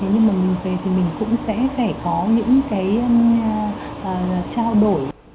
nhưng mà mình về thì mình cũng sẽ phải có những cái trao đổi